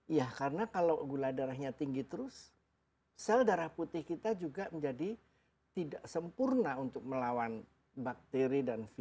iya karena kalau gula darahnya tinggi terus sel darah putih kita juga menjadi tidak sempurna untuk melawan bakteri dan virus